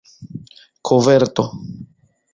koverto